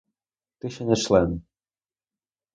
Ти ще не член.